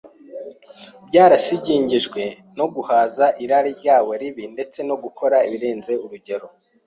byarasigingijwe no guhaza irari ryabo ribi ndetse no gukora birenze urugero